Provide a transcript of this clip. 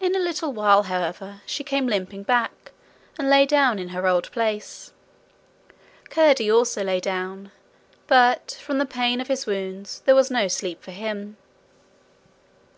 In a little while, however, she came limping back, and lay down in her old place. Curdie also lay down, but, from the pain of his wounds, there was no sleep for him.